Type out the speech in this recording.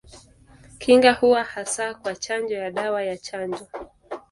Kinga huwa hasa kwa chanjo ya dawa ya chanjo.